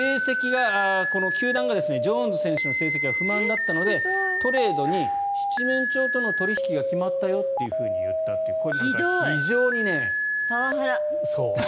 球団が、ジョーンズ選手の成績が不満だったのでトレードに七面鳥との取引が決まったよと言ったよというパワハラ。